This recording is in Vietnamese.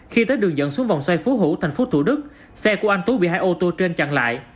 khi tới đường dẫn xuống vòng xoay phú hữu tp thủ đức xe của anh tú bị hai ô tô trên chặn lại